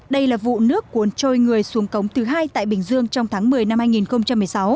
đây là vụ nước cuốn trôi người xuống cống thứ hai tại bình dương trong tháng một mươi năm hai nghìn một mươi sáu